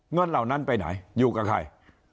เหล่านั้นไปไหนอยู่กับใคร